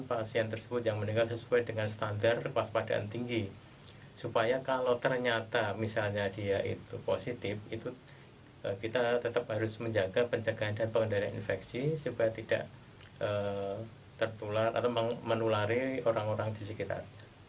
pasien tersebut yang meninggal sesuai dengan standar kewaspadaan tinggi supaya kalau ternyata misalnya dia itu positif itu kita tetap harus menjaga pencegahan dan pengendalian infeksi supaya tidak tertular atau menulari orang orang di sekitar